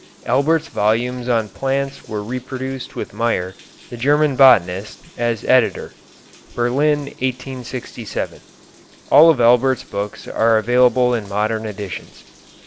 Albert's volumes on plants were reproduced with Meyer, the German botanist, as editor (Berlin, 1867). All of Albert's books are available in modern editions.